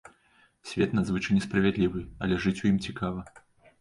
Свет надзвычай несправядлівы, але жыць у ім цікава.